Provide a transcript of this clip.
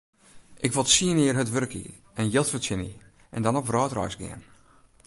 Ik wol tsien jier hurd wurkje en jild fertsjinje en dan op wrâldreis gean.